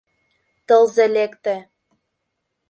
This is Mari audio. Тылзе лекте.